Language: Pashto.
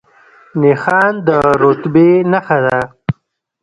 نښان د رتبې نښه ده